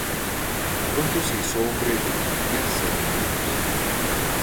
Pronto se hizo hombre de confianza de Morelos.